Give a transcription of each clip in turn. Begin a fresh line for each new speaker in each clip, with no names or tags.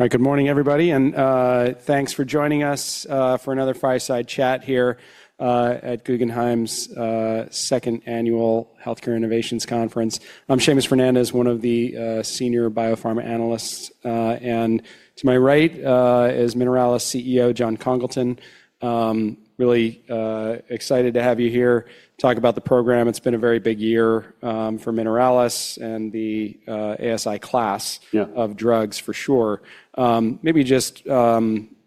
All right, good morning, everybody. Thanks for joining us for another fireside chat here at Guggenheim's second annual Healthcare Innovations Conference. I'm Seamus Fernandez, one of the senior biopharma analysts. To my right is Mineralys CEO Jon Congleton. Really excited to have you here talk about the program. It's been a very big year for Mineralys and the ASI class.
Yeah.
Of drugs, for sure. Maybe just,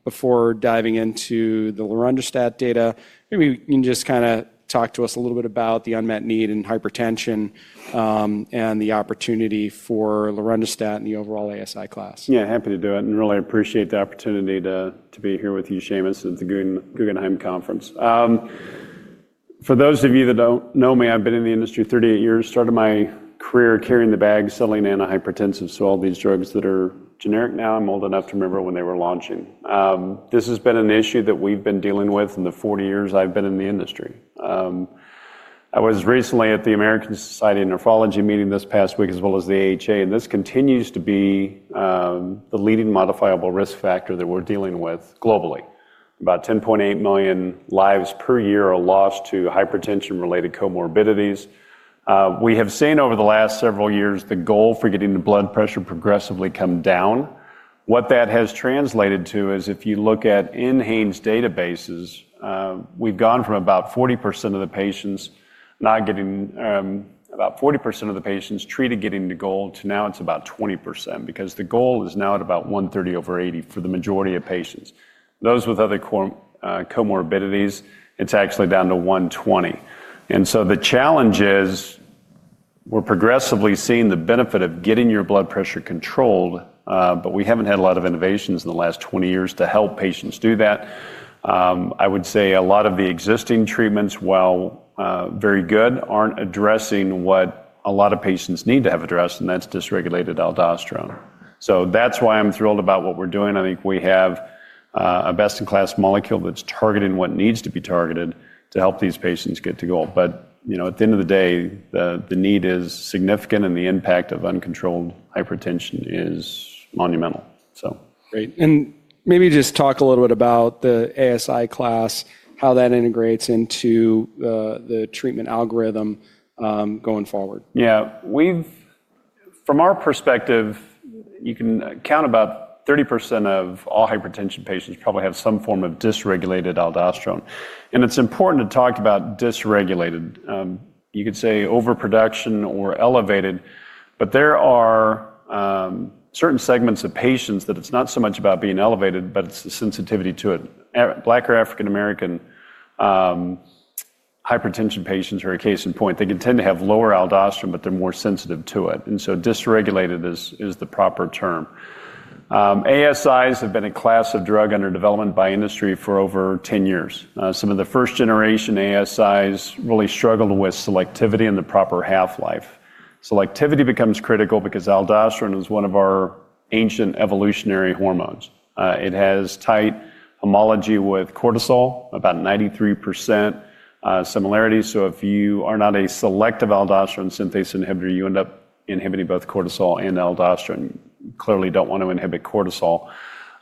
before diving into the lorundrostat data, maybe you can just kind of talk to us a little bit about the unmet need in hypertension, and the opportunity for lorundrostat and the overall ASI class.
Yeah, happy to do it. I really appreciate the opportunity to be here with you, Seamus, at the Guggenheim Conference. For those of you that do not know me, I have been in the industry 38 years, started my career carrying the bag, selling antihypertensives. All these drugs that are generic now, I am old enough to remember when they were launching. This has been an issue that we have been dealing with in the 40 years I have been in the industry. I was recently at the American Society of Nephrology meeting this past week, as well as the AHA, and this continues to be the leading modifiable risk factor that we are dealing with globally. About 10.8 million lives per year are lost to hypertension-related comorbidities. We have seen over the last several years the goal for getting the blood pressure progressively come down. What that has translated to is, if you look at in-hands databases, we've gone from about 40% of the patients not getting, about 40% of the patients treated getting to goal to now it's about 20%, because the goal is now at about 130 over 80 for the majority of patients. Those with other comorbidities, it's actually down to 120. The challenge is, we're progressively seeing the benefit of getting your blood pressure controlled, but we haven't had a lot of innovations in the last 20 years to help patients do that. I would say a lot of the existing treatments, while very good, aren't addressing what a lot of patients need to have addressed, and that's dysregulated aldosterone. That's why I'm thrilled about what we're doing. I think we have a best-in-class molecule that's targeting what needs to be targeted to help these patients get to goal. You know, at the end of the day, the need is significant, and the impact of uncontrolled hypertension is monumental.
Great. Maybe just talk a little bit about the ASI class, how that integrates into the treatment algorithm, going forward.
Yeah. From our perspective, you can count about 30% of all hypertension patients probably have some form of dysregulated aldosterone. It's important to talk about dysregulated. You could say overproduction or elevated, but there are certain segments of patients that it's not so much about being elevated, but it's the sensitivity to it. Black or African American hypertension patients are a case in point. They can tend to have lower aldosterone, but they're more sensitive to it. Dysregulated is the proper term. ASIs have been a class of drug under development by industry for over 10 years. Some of the first-generation ASIs really struggled with selectivity and the proper half-life. Selectivity becomes critical because aldosterone is one of our ancient evolutionary hormones. It has tight homology with cortisol, about 93% similarity. If you are not a selective aldosterone synthase inhibitor, you end up inhibiting both cortisol and aldosterone. You clearly don't want to inhibit cortisol.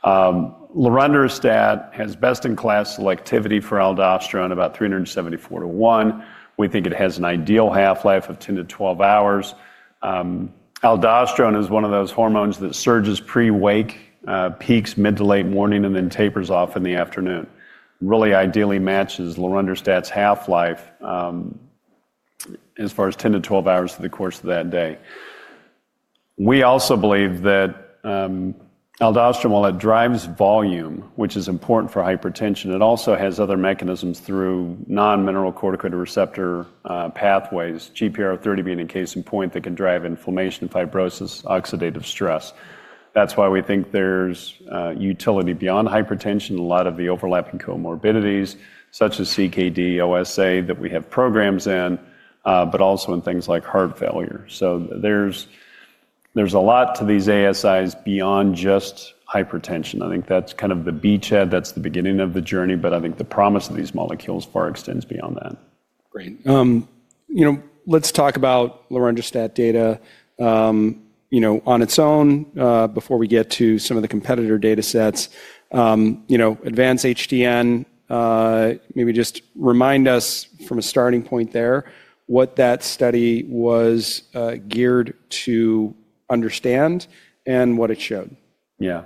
Lorundrostat has best-in-class selectivity for aldosterone, about 374 to 1. We think it has an ideal half-life of 10-12 hours. Aldosterone is one of those hormones that surges pre-wake, peaks mid to late morning, and then tapers off in the afternoon. Really ideally matches lorundrostat's half-life, as far as 10-12 hours through the course of that day. We also believe that aldosterone, while it drives volume, which is important for hypertension, it also has other mechanisms through non-mineralocorticoid receptor pathways, GPR30 being a case in point, that can drive inflammation, fibrosis, oxidative stress. That's why we think there's utility beyond hypertension in a lot of the overlapping comorbidities, such as CKD, OSA, that we have programs in, but also in things like heart failure. There's a lot to these ASIs beyond just hypertension. I think that's kind of the beachhead. That's the beginning of the journey. I think the promise of these molecules far extends beyond that.
Great. You know, let's talk about lorundrostat data. You know, on its own, before we get to some of the competitor data sets, you know, ADVANCE HTN, maybe just remind us from a starting point there, what that study was geared to understand and what it showed?
Yeah.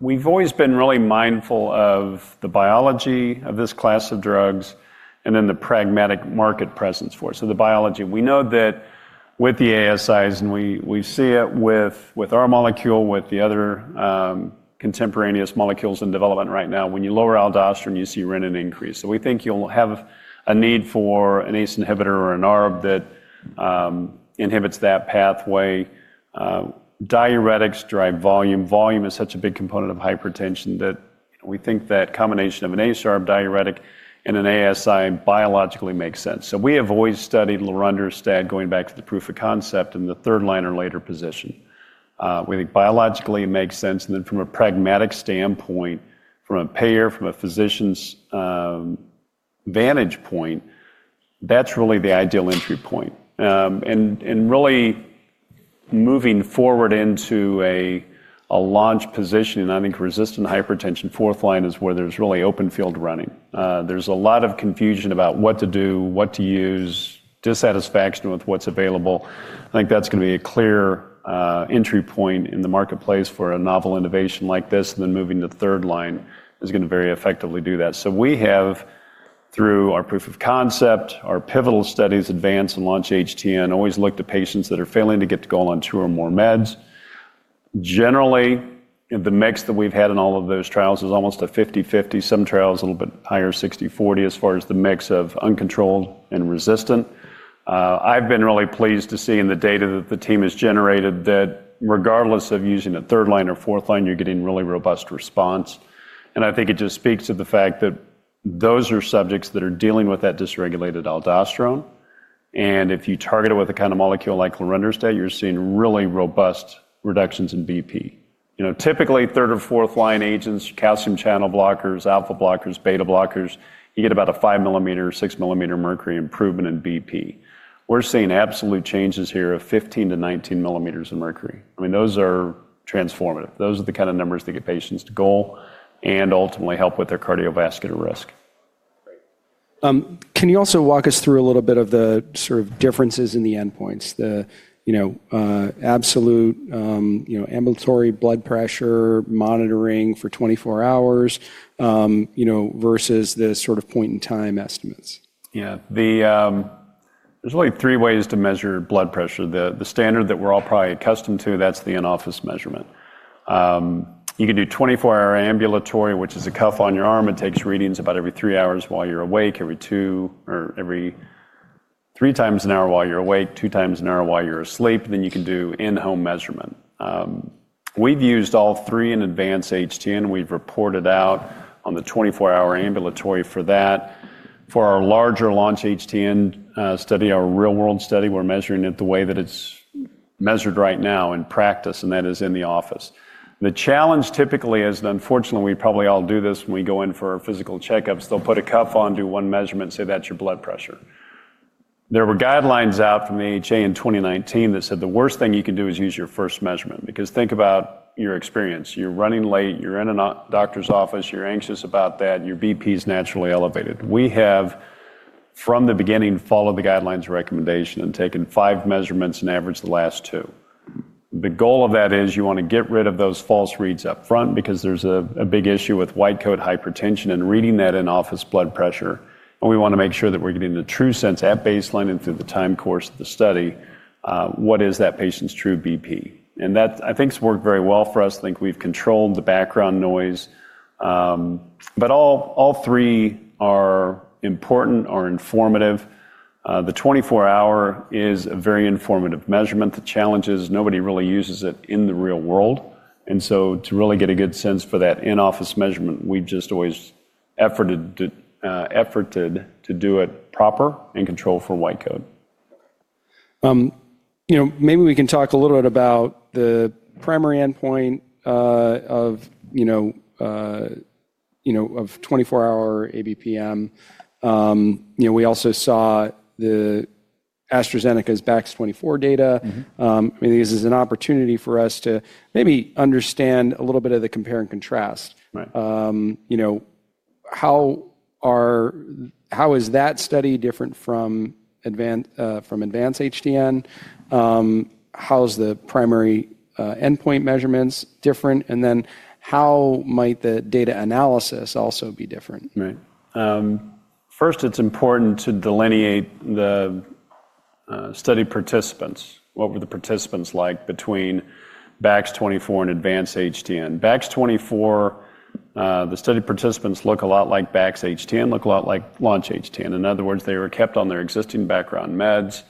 We've always been really mindful of the biology of this class of drugs and then the pragmatic market presence for it. The biology, we know that with the ASIs, and we see it with our molecule, with the other contemporaneous molecules in development right now, when you lower aldosterone, you see renin increase. We think you'll have a need for an ACE inhibitor or an ARB that inhibits that pathway. Diuretics drive volume. Volume is such a big component of hypertension that we think that combination of an ACE, ARB, diuretic, and an ASI biologically makes sense. We have always studied lorundrostat going back to the proof of concept in the third line or later position. We think biologically it makes sense. From a pragmatic standpoint, from a payer, from a physician's vantage point, that's really the ideal entry point. and really moving forward into a launch position, and I think resistant hypertension, fourth line is where there's really open field running. There's a lot of confusion about what to do, what to use, dissatisfaction with what's available. I think that's going to be a clear entry point in the marketplace for a novel innovation like this. Moving to third line is going to very effectively do that. We have, through our proof of concept, our pivotal studies, ADVANCE and LAUNCH HTN, always looked at patients that are failing to get to goal on two or more meds. Generally, the mix that we've had in all of those trials is almost a 50/50. Some trials a little bit higher, 60/40, as far as the mix of uncontrolled and resistant. I've been really pleased to see in the data that the team has generated that regardless of using a third line or fourth line, you're getting really robust response. I think it just speaks to the fact that those are subjects that are dealing with that dysregulated aldosterone. If you target it with a kind of molecule like lorundrostat, you're seeing really robust reductions in BP. You know, typically third or fourth line agents, calcium channel blockers, alpha blockers, beta blockers, you get about a 5 millimeter, 6 millimeter mercury improvement in BP. We're seeing absolute changes here of 15-19 millimeters of mercury. I mean, those are transformative. Those are the kind of numbers that get patients to goal and ultimately help with their cardiovascular risk.
Great. Can you also walk us through a little bit of the sort of differences in the endpoints, the, you know, absolute, you know, ambulatory blood pressure monitoring for 24 hours, you know, versus the sort of point-in-time estimates?
Yeah. There's really three ways to measure blood pressure. The standard that we're all probably accustomed to, that's the in-office measurement. You can do 24-hour ambulatory, which is a cuff on your arm. It takes readings about every three times an hour while you're awake, two times an hour while you're asleep. Then you can do in-home measurement. We've used all three in AdvanceHTN. We've reported out on the 24-hour ambulatory for that. For our larger LaunchHTN study, our real-world study, we're measuring it the way that it's measured right now in practice, and that is in the office. The challenge typically is that, unfortunately, we probably all do this when we go in for our physical checkups, they'll put a cuff on, do one measurement, say that's your blood pressure. There were guidelines out from the AHA in 2019 that said the worst thing you can do is use your first measurement, because think about your experience. You're running late, you're in a doctor's office, you're anxious about that, your BP's naturally elevated. We have, from the beginning, followed the guidelines recommendation and taken five measurements and averaged the last two. The goal of that is you want to get rid of those false reads upfront, because there's a big issue with white coat hypertension and reading that in-office blood pressure. We want to make sure that we're getting the true sense at baseline and through the time course of the study, what is that patient's true BP. That, I think, has worked very well for us. I think we've controlled the background noise. All three are important, are informative. The 24-hour is a very informative measurement. The challenge is nobody really uses it in the real world. To really get a good sense for that in-office measurement, we've just always efforted to do it proper and control for white coat.
You know, maybe we can talk a little bit about the primary endpoint, of, you know, of 24-hour ABPM. You know, we also saw the AstraZeneca's baxdrostat data. I mean, this is an opportunity for us to maybe understand a little bit of the compare and contrast.
Right.
you know, how are, how is that study different from Advance, from AdvanceHTN? How's the primary endpoint measurements different? And then how might the data analysis also be different?
Right. First, it's important to delineate the study participants. What were the participants like between BAX24 and AdvanceHTN? BAX24, the study participants look a lot like BAXHTN, look a lot like LaunchHTN. In other words, they were kept on their existing background meds.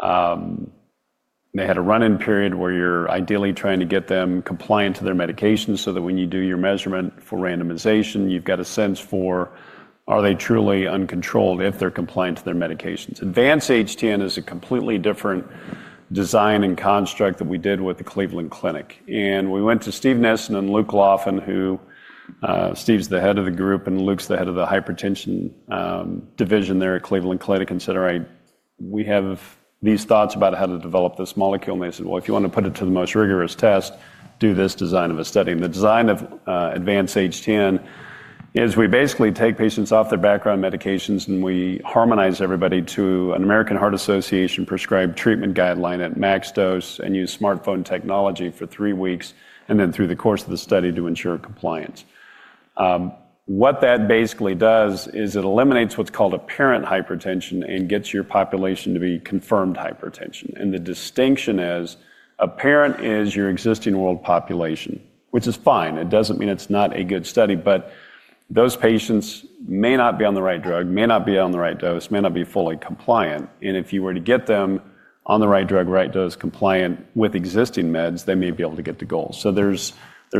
They had a run-in period where you're ideally trying to get them compliant to their medications so that when you do your measurement for randomization, you've got a sense for, are they truly uncontrolled if they're compliant to their medications? AdvanceHTN is a completely different design and construct that we did with the Cleveland Clinic. We went to Steve Nissen and Luke Laufen, who, Steve's the Head of the group and Luke's the Head of the hypertension division there at Cleveland Clinic, and said, "All right, we have these thoughts about how to develop this molecule." They said, "If you want to put it to the most rigorous test, do this design of a study." The design of AdvanceHTN is we basically take patients off their background medications and we harmonize everybody to an American Heart Association prescribed treatment guideline at max dose and use smartphone technology for three weeks and then through the course of the study to ensure compliance. What that basically does is it eliminates what's called apparent hypertension and gets your population to be confirmed hypertension. The distinction is apparent is your existing world population, which is fine. It does not mean it is not a good study, but those patients may not be on the right drug, may not be on the right dose, may not be fully compliant. If you were to get them on the right drug, right dose, compliant with existing meds, they may be able to get to goal. There is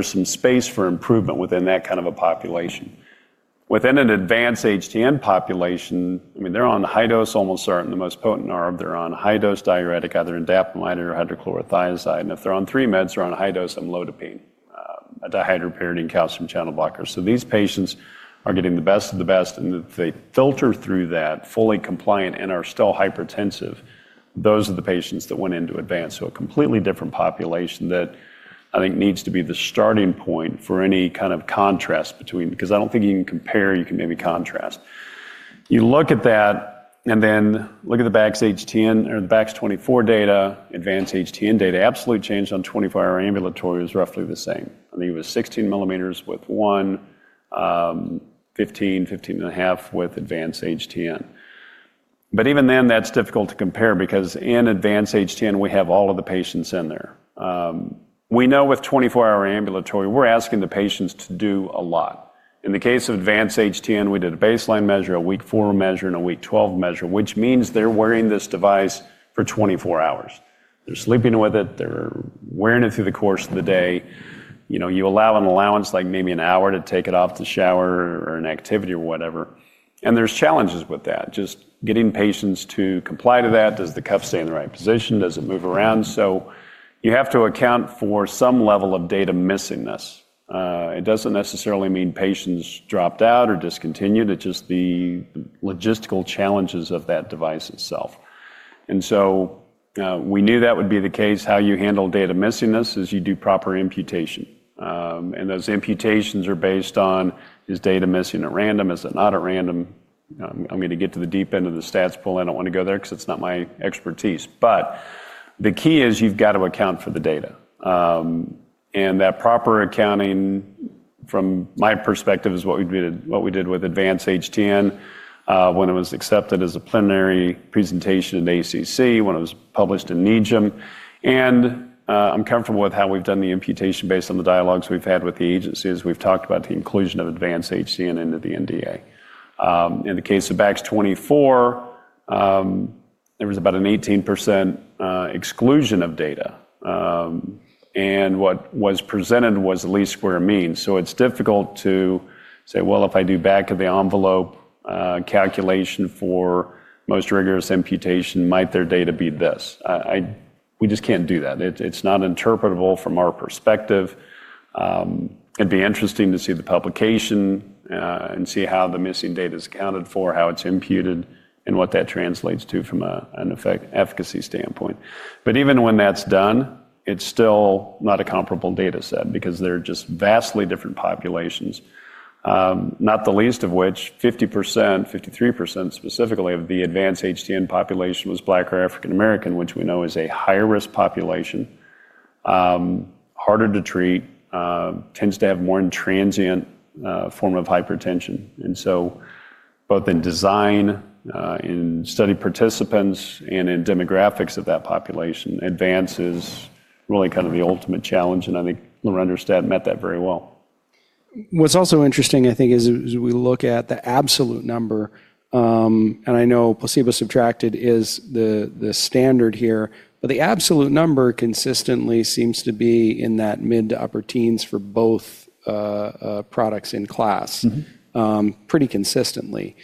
some space for improvement within that kind of a population. Within an AdvanceHTN population, I mean, they are on high dose olmesartan, the most potent ARB. They are on high dose diuretic, either indapamide or hydrochlorothiazide. If they are on three meds, they are on high dose amlodipine, a dihydropyridine calcium channel blocker. These patients are getting the best of the best. If they filter through that, fully compliant and are still hypertensive, those are the patients that went into Advance. A completely different population that I think needs to be the starting point for any kind of contrast between, because I don't think you can compare, you can maybe contrast. You look at that and then look at the baxdrostat or the BAX24 data, AdvanceHTN data, absolute change on 24-hour ambulatory was roughly the same. I think it was 16 millimeters with one, 15, 15 and a half with AdvanceHTN. Even then that's difficult to compare because in AdvanceHTN we have all of the patients in there. We know with 24-hour ambulatory, we're asking the patients to do a lot. In the case of AdvanceHTN, we did a baseline measure, a week four measure, and a week 12 measure, which means they're wearing this device for 24 hours. They're sleeping with it. They're wearing it through the course of the day. You know, you allow an allowance like maybe an hour to take it off for the shower or an activity or whatever. There are challenges with that, just getting patients to comply to that. Does the cuff stay in the right position? Does it move around? You have to account for some level of data missingness. It does not necessarily mean patients dropped out or discontinued. It is just the logistical challenges of that device itself. We knew that would be the case. How you handle data missingness is you do proper imputation. Those imputations are based on, is data missing at random? Is it not at random? I am going to get to the deep end of the stats pool. I do not want to go there because it is not my expertise. The key is you have got to account for the data. That proper accounting from my perspective is what we did, what we did with AdvanceHTN, when it was accepted as a preliminary presentation at ACC, when it was published in NEJM. I'm comfortable with how we've done the imputation based on the dialogues we've had with the agencies. We've talked about the inclusion of AdvanceHTN into the NDA. In the case of BAX24, there was about an 18% exclusion of data, and what was presented was at least square mean. It is difficult to say, well, if I do back of the envelope calculation for most rigorous imputation, might their data be this? We just cannot do that. It is not interpretable from our perspective. It would be interesting to see the publication and see how the missing data is accounted for, how it is imputed, and what that translates to from an effect, efficacy standpoint. Even when that's done, it's still not a comparable data set because they're just vastly different populations. Not the least of which, 50%, 53% specifically of the AdvanceHTN population was Black or African American, which we know is a higher risk population, harder to treat, tends to have more intransient form of hypertension. Both in design, in study participants and in demographics of that population, Advance is really kind of the ultimate challenge. I think lorundrostat met that very well.
What's also interesting, I think, is as we look at the absolute number, and I know placebo-subtracted is the standard here, but the absolute number consistently seems to be in that mid to upper teens for both products in class, pretty consistently,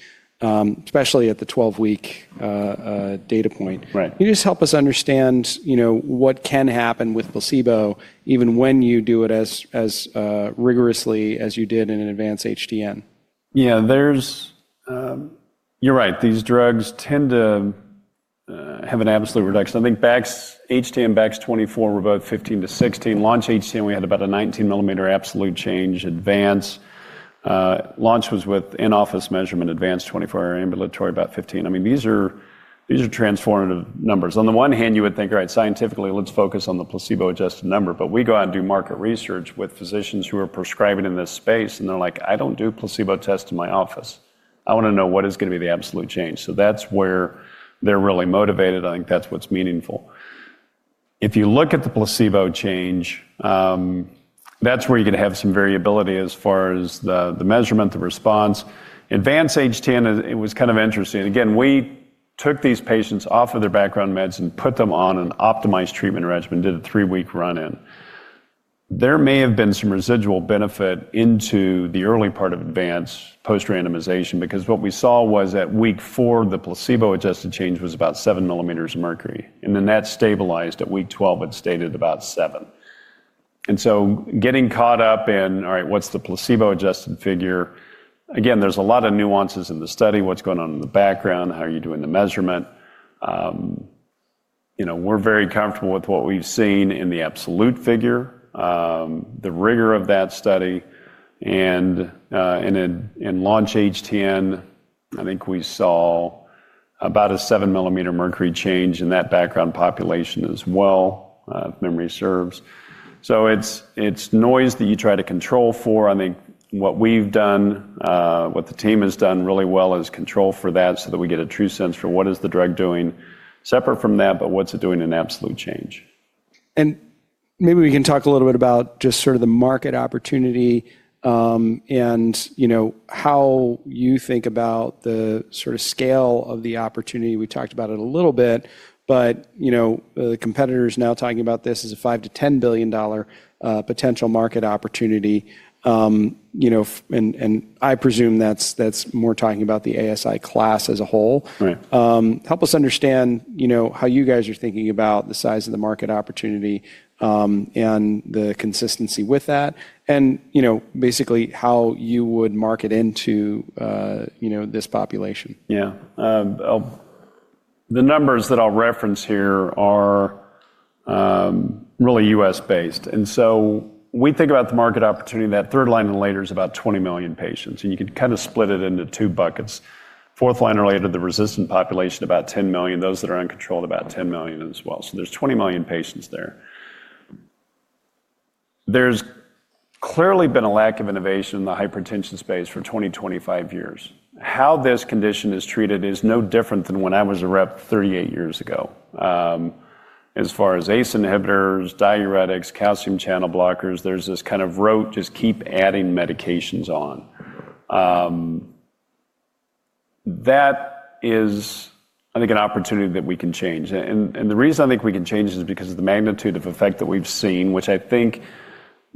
especially at the 12-week data point.
Right.
Can you just help us understand, you know, what can happen with placebo even when you do it as, as rigorously as you did in AdvanceHTN?
Yeah, there's, you're right. These drugs tend to have an absolute reduction. I think baxdrostat, baxdrostat 24 were about 15-16. LAUNCH HTN, we had about a 19 millimeter absolute change. ADVANCE, LAUNCH was with in-office measurement, ADVANCE 24-hour ambulatory about 15. I mean, these are, these are transformative numbers. On the one hand, you would think, all right, scientifically, let's focus on the placebo-adjusted number, but we go out and do market research with physicians who are prescribing in this space, and they're like, I don't do placebo tests in my office. I want to know what is going to be the absolute change. That's where they're really motivated. I think that's what's meaningful. If you look at the placebo change, that's where you can have some variability as far as the measurement, the response. ADVANCE HTN, it was kind of interesting. Again, we took these patients off of their background meds and put them on an optimized treatment regimen, did a three-week run-in. There may have been some residual benefit into the early part of Advance post-randomization, because what we saw was at week four, the placebo-adjusted change was about 7 millimeters of mercury. That stabilized. At week 12, it stayed about 7. Getting caught up in, all right, what's the placebo-adjusted figure? Again, there's a lot of nuances in the study, what's going on in the background, how are you doing the measurement? You know, we're very comfortable with what we've seen in the absolute figure, the rigor of that study. In Launch HTN, I think we saw about a 7 millimeter mercury change in that background population as well, if memory serves. It's noise that you try to control for. I think what we've done, what the team has done really well is control for that so that we get a true sense for what is the drug doing separate from that, but what's it doing in absolute change?
Maybe we can talk a little bit about just sort of the market opportunity, and, you know, how you think about the sort of scale of the opportunity. We talked about it a little bit, but, you know, the competitors now talking about this as a $5 billion-$10 billion potential market opportunity. You know, and I presume that's more talking about the ASI class as a whole.
Right.
Help us understand, you know, how you guys are thinking about the size of the market opportunity, and the consistency with that, and, you know, basically how you would market into, you know, this population?
Yeah. The numbers that I'll reference here are really U.S.-based. We think about the market opportunity, that third line and later is about 20 million patients. You can kind of split it into two buckets. Fourth line or later, the resistant population, about 10 million, those that are uncontrolled, about 10 million as well. There are 20 million patients there. There has clearly been a lack of innovation in the hypertension space for 20-25 years. How this condition is treated is no different than when I was a rep 38 years ago. As far as ACE inhibitors, diuretics, calcium channel blockers, there is this kind of rote, just keep adding medications on. That is, I think, an opportunity that we can change. The reason I think we can change is because of the magnitude of effect that we've seen, which I think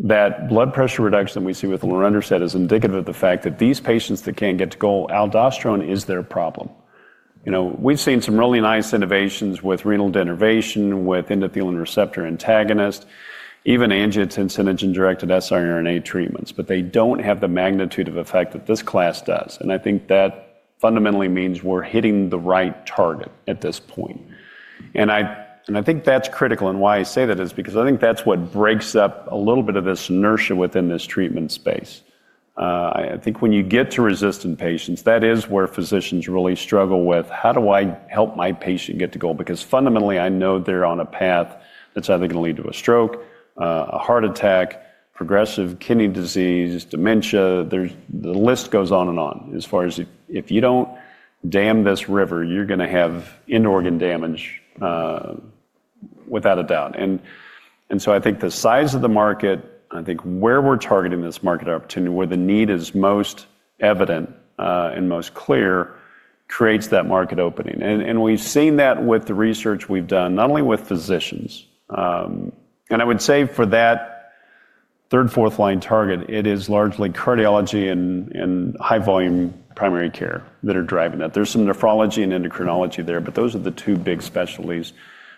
that blood pressure reduction that we see with lorundrostat is indicative of the fact that these patients that can't get to goal, aldosterone is their problem. You know, we've seen some really nice innovations with renal denervation, with endothelin receptor antagonist, even angiotensin-agent-directed SR RNA treatments, but they don't have the magnitude of effect that this class does. I think that fundamentally means we're hitting the right target at this point. I think that's critical. Why I say that is because I think that's what breaks up a little bit of this inertia within this treatment space. I think when you get to resistant patients, that is where physicians really struggle with, how do I help my patient get to goal? Because fundamentally, I know they're on a path that's either going to lead to a stroke, a heart attack, progressive kidney disease, dementia. The list goes on and on. If you don't dam this river, you're going to have end organ damage, without a doubt. I think the size of the market, I think where we're targeting this market opportunity, where the need is most evident, and most clear, creates that market opening. We've seen that with the research we've done, not only with physicians. I would say for that third, fourth line target, it is largely cardiology and high volume primary care that are driving that. There's some nephrology and endocrinology there, but those are the two big specialties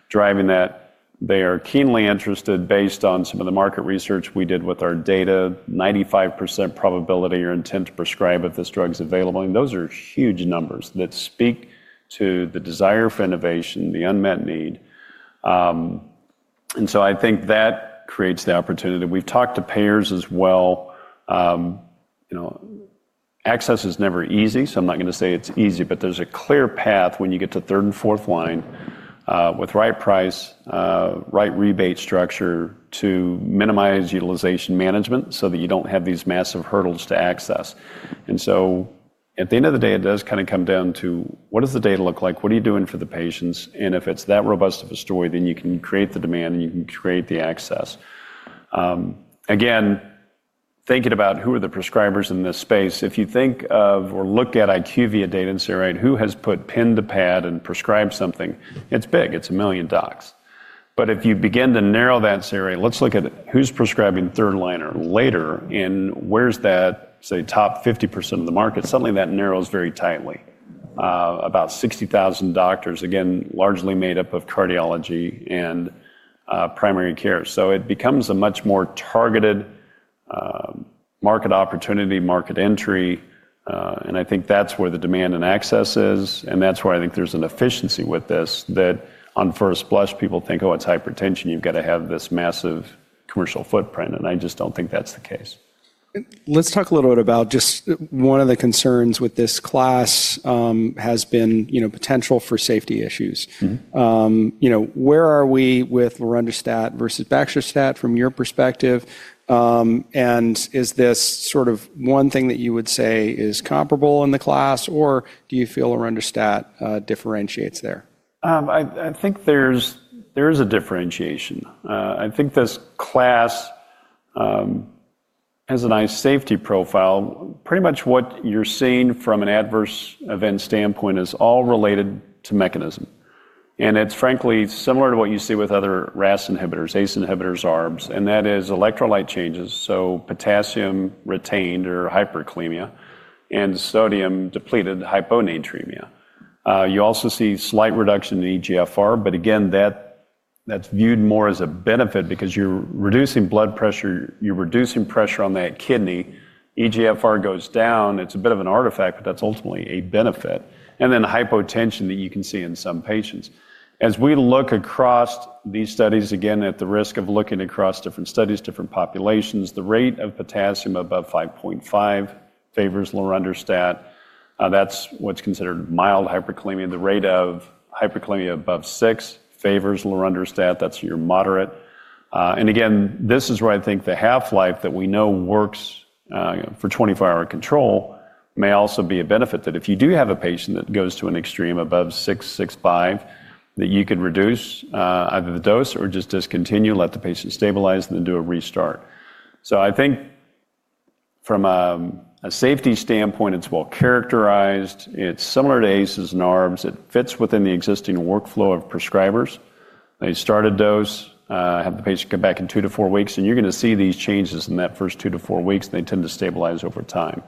driving that. They are keenly interested based on some of the market research we did with our data, 95% probability or intent to prescribe if this drug's available. Those are huge numbers that speak to the desire for innovation, the unmet need. I think that creates the opportunity. We've talked to payers as well. You know, access is never easy. I'm not going to say it's easy, but there's a clear path when you get to third and fourth line, with right price, right rebate structure to minimize utilization management so that you don't have these massive hurdles to access. At the end of the day, it does kind of come down to what does the data look like? What are you doing for the patients? If it's that robust of a story, then you can create the demand and you can create the access. Again, thinking about who are the prescribers in this space, if you think of or look at IQVIA data and say, all right, who has put pen to pad and prescribed something, it's big. It's a million docs. If you begin to narrow that, say, all right, let's look at who's prescribing third line or later and where's that, say, top 50% of the market, suddenly that narrows very tightly, about 60,000 doctors, again, largely made up of cardiology and primary care. It becomes a much more targeted market opportunity, market entry. I think that's where the demand and access is. That's why I think there's an efficiency with this that on first blush, people think, oh, it's hypertension. You've got to have this massive commercial footprint. I just don't think that's the case.
Let's talk a little bit about just one of the concerns with this class, has been, you know, potential for safety issues. You know, where are we with lorundrostat versus baxdrostat from your perspective? And is this sort of one thing that you would say is comparable in the class, or do you feel lorundrostat differentiates there?
I think there's a differentiation. I think this class has a nice safety profile. Pretty much what you're seeing from an adverse event standpoint is all related to mechanism. It's frankly similar to what you see with other RAS inhibitors, ACE inhibitors, ARBs. That is electrolyte changes, so potassium retained or hyperkalemia and sodium depleted hyponatremia. You also see slight reduction in eGFR, but again, that's viewed more as a benefit because you're reducing blood pressure, you're reducing pressure on that kidney. eGFR goes down. It's a bit of an artifact, but that's ultimately a benefit. Then hypotension that you can see in some patients. As we look across these studies, again, at the risk of looking across different studies, different populations, the rate of potassium above 5.5% favors lorundrostat. That's what's considered mild hyperkalemia. The rate of hyperkalemia above 6% favors lorundrostat. That's your moderate. Again, this is where I think the half-life that we know works for 24-hour control may also be a benefit, that if you do have a patient that goes to an extreme above six, six, five, you could reduce either the dose or just discontinue, let the patient stabilize, and then do a restart. I think from a safety standpoint, it's well characterized. It's similar to ACEs and ARBs. It fits within the existing workflow of prescribers. They start a dose, have the patient come back in two-four weeks, and you're going to see these changes in that first two-four weeks. They tend to stabilize over time.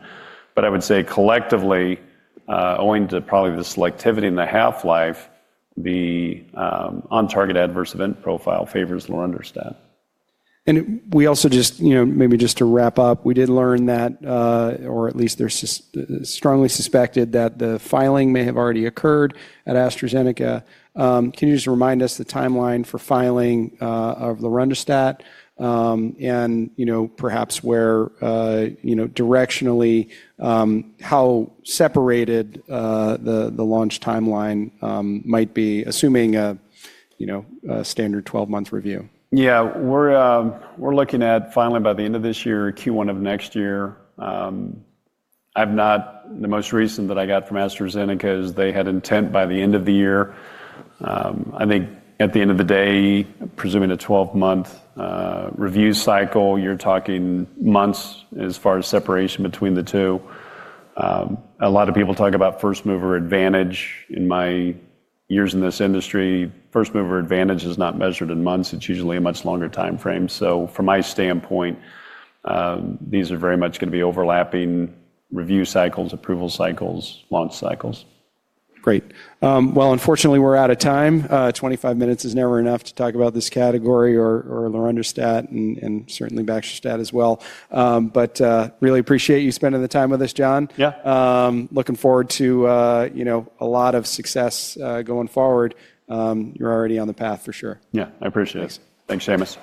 I would say collectively, owing to probably the selectivity and the half-life, the on-target adverse event profile favors lorundrostat.
We also just, you know, maybe just to wrap up, we did learn that, or at least there's strongly suspected that the filing may have already occurred at AstraZeneca. Can you just remind us the timeline for filing of lorundrostat, and, you know, perhaps where, you know, directionally, how separated the launch timeline might be, assuming a, you know, a standard 12-month review?
Yeah, we're looking at filing by the end of this year, Q1 of next year. I've not, the most recent that I got from AstraZeneca is they had intent by the end of the year. I think at the end of the day, presuming a 12-month review cycle, you're talking months as far as separation between the two. A lot of people talk about first mover advantage. In my years in this industry, first mover advantage is not measured in months. It's usually a much longer timeframe. From my standpoint, these are very much going to be overlapping review cycles, approval cycles, launch cycles.
Great. Unfortunately, we're out of time. Twenty-five minutes is never enough to talk about this category or lorundrostat and certainly baxdrostat as well. I really appreciate you spending the time with us, Jon.
Yeah.
looking forward to, you know, a lot of success, going forward. You're already on the path for sure.
Yeah, I appreciate it. Thanks, Seamus.